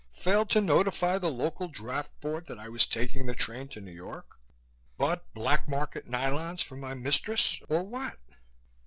Failed to notify the local draft board that I was taking the train to New York? Bought black market nylons for my mistress? or what?"